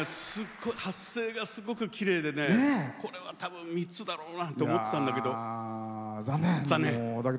発声がすごくきれいでこれは３つだろうなって思ってたんだけど、残念。